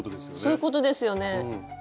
そういうことですよね。